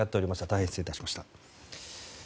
大変失礼いたしました。